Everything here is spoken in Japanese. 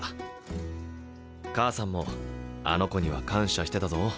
母さんもあの子には感謝してたぞ。